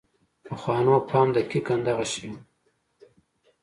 پخوانو فهم دقیقاً دغه شی و.